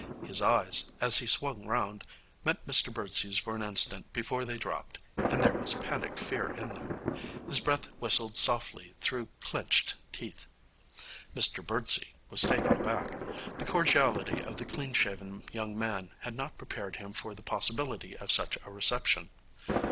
His eyes, as he swung round, met Mr Birdsey's for an instant before they dropped, and there was panic fear in them. His breath whistled softly through clenched teeth. Mr Birdsey was taken aback. The cordiality of the clean shaven young man had not prepared him for the possibility of such a reception.